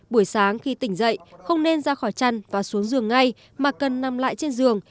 buổi sáng khi tỉnh dậy không nên ra khỏi chăn và xuống giường ngay mà cần nằm lại trên giường